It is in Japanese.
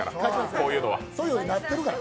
そういうのになってるから。